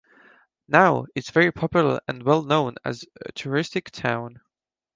Now, Its very popular and well known as a Touristic Town.